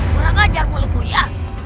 kurang ajar mulutku iya